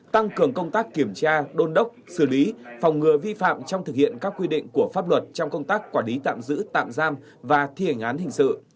tăng cường công tác kiểm tra đôn đốc xử lý phòng ngừa vi phạm trong thực hiện các quy định của pháp luật trong công tác quản lý tạm giữ tạm giam và thi hành án hình sự